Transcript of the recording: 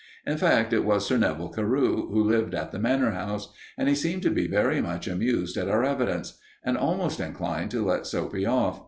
In fact, it was Sir Neville Carew, who lived at the Manor House, and he seemed to be very much amused at our evidence, and almost inclined to let Soapy off.